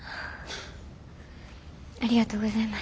ありがとうございます。